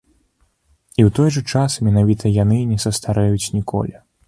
І, у той жа час, менавіта яны не састарэюць ніколі.